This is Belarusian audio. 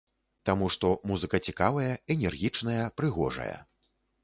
Таму што музыка цікавая, энергічная, прыгожая.